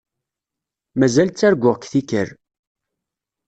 Mazal ttarguɣ-k tikkal.